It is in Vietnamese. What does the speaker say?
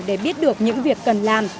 để biết được những việc cần làm